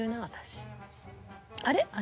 あれ？